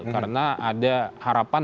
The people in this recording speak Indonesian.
karena ada harapan